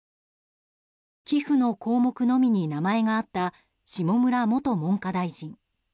寄付の項目のみに名前があった下村元文科大臣。